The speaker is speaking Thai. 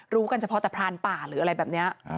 รู้กันเฉพาะแต่พรานป่าหรืออะไรแบบนี้